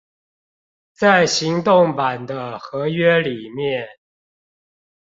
在行動版的合約裡面